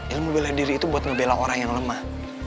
ilmu bela diri itu buat ngebela orang yang lemah